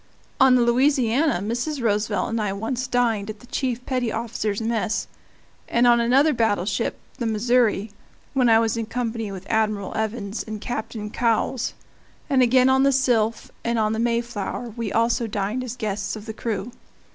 On the Louisiana Mrs. Roosevelt and I once dined at the chief petty officers' mess, and on another battleship, the Missouri (when I was in company with Admiral Evans and Captain Cowles), and again on the Sylph and on the Mayflower, we also dined as guests of the crew.